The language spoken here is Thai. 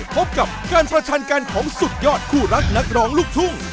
พบกับการประชันกันของสุดยอดคู่รักนักร้องลูกทุ่ง